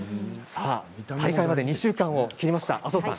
大会まで２週間を切りました。